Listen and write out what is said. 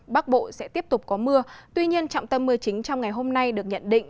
bắc bộ sẽ tiếp tục có mưa tuy nhiên trọng tâm mưa chính trong ngày hôm nay được nhận định